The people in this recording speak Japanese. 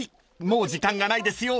［もう時間がないですよ